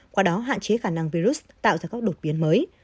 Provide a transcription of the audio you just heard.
qua đó hạn chế khả năng virus tạo ra các đột biến mới